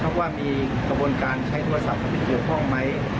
ถ้าว่ามีกระบวนการใช้โทรศัพท์ที่เกี่ยวข้องไหม